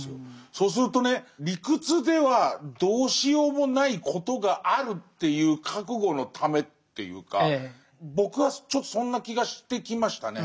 そうするとね理屈ではどうしようもないことがあるっていう覚悟のためっていうか僕はちょっとそんな気がしてきましたね。